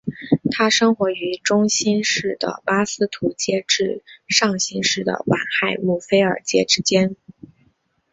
它生活于中新世的巴斯图阶至上新世的晚亥姆菲尔阶之间。